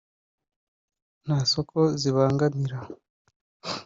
nta soko zibangamira